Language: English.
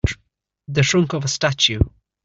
The trunk of a statue.